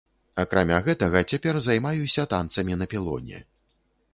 Акрамя гэтага цяпер займаюся танцамі на пілоне.